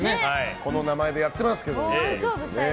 この名前でやってますけれどもね。